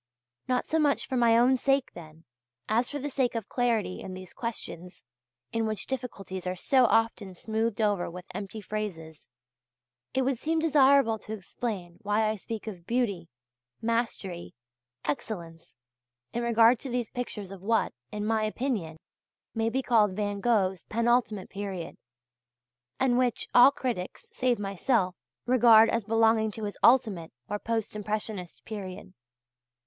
Not so much for my own sake, then, as for the sake of clarity in these questions, in which difficulties are so often smoothed over with empty phrases, it would seem desirable to explain why I speak of "beauty," "mastery," "excellence," in regard to these pictures of what, in my opinion, may be called Van Gogh's penultimate period, and which all critics, save myself, regard as belonging to his ultimate or post impressionist period.